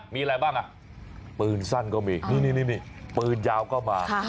มีอะไรบ้างอ่ะปืนสั้นก็มีนี่ปืนยาวก็มา